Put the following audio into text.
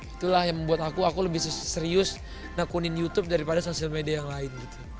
itulah yang membuat aku aku lebih serius nekunin youtube daripada social media yang lain